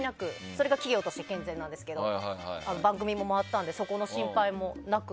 それが企業として健全なんですけけど番組も回ったのでそこの心配もなく。